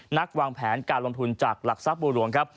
วางแผนการลงทุนจากหลักทรัพย์บัวหลวงครับ